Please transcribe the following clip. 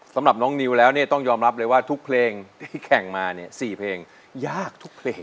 สำหรับน้องนิวแล้วเนี่ยต้องยอมรับเลยว่าทุกเพลงที่แข่งมาเนี่ย๔เพลงยากทุกเพลง